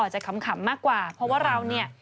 จะขำมากกว่าเพราะว่าเราเนี่ย